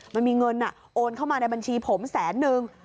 มันมีเงินโอนเข้ามาในบัญชีผมแสนนึง